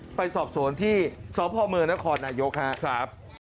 ใช่ครับเขาจะทำผมผมก็ต้องป้องกันตัว